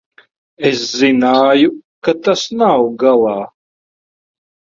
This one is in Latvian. Es zināju, ka tas nav galā.